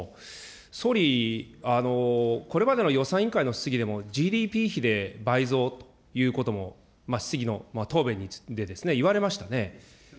総理、これまでの予算委員会の質疑でもＧＤＰ比で倍増ということも、質疑の答弁で言われましたね。